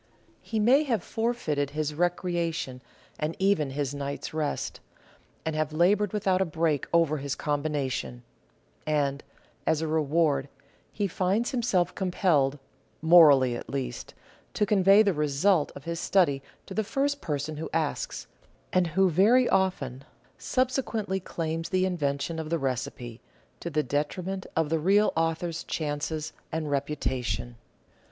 He may have forfeited his recreation and even his night's rest, and have laboured without a break over his combination; and, as a reward, he finds himself compelled, morally at least, to convey the result of his study to the first person who asks, and who, very often, subsequently claims the invention of the recipe — to the detriment of the real author's chances and reputa tion.